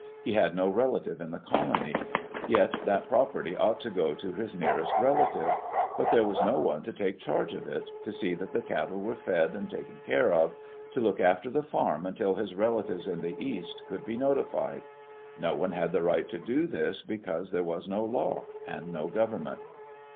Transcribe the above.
He had no relative in the colony. Yet that property ought to go to his nearest relative. But there was no one to take charge of it, to see that the cattle were fed and taken care of; to look after the farm until his relatives in the east could be notified. No one had the right to do this because there was no law and no government.